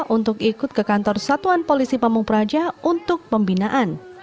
untuk ikut ke kantor satuan polisi pamung praja untuk pembinaan